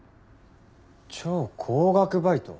「超高額バイト」？